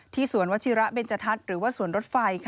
สวนวชิระเบนจทัศน์หรือว่าสวนรถไฟ